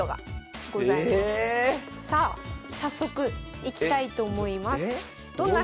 さあ早速いきたいと思います。